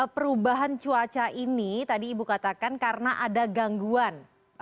perubahan cuaca ini tadi ibu katakan karena ada gangguan